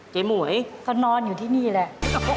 เจ๊หม่วยเค้านอนอยู่ที่นี่แหละ